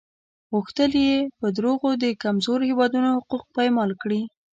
غوښتل یې په دروغو د کمزورو هېوادونو حقوق پایمال کړي.